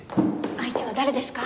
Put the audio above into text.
相手は誰ですか！？